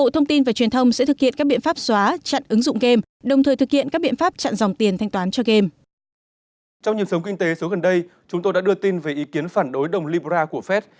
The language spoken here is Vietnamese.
trong nhiệm sống kinh tế số gần đây chúng tôi đã đưa tin về ý kiến phản đối đồng libra của fed